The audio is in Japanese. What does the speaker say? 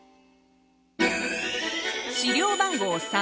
資料番号３。